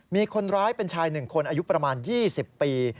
มีคนร้ายเป็นชาย๑คนอายุประมาณ๒๐ปี